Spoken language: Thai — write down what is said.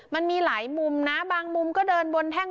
มันมีหลายมุมนะบางมุมก็เดินบนแท่ง